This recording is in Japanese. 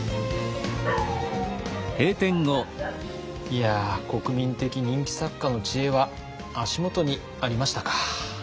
いや国民的人気作家の知恵は足元にありましたか。